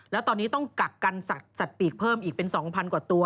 แล้วตอนนี้ต้องกักกันสัตว์ปีกเพิ่มอีกเป็น๒๐๐กว่าตัว